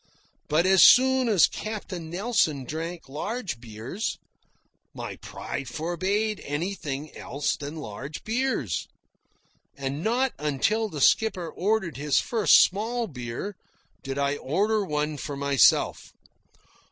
But as long as Captain Nelson drank large beers, my pride forbade anything else than large beers. And not until the skipper ordered his first small beer did I order one for myself.